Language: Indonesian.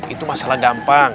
itu masalah gampang